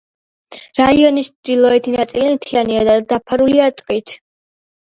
რაიონის ჩრდილოეთი ნაწილი მთიანია და დაფარულია ტყით.